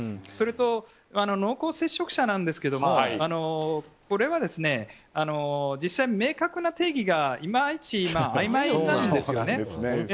それと、濃厚接触者なんですがこれは、実際、明確な定義がいまいち曖昧なんですよね。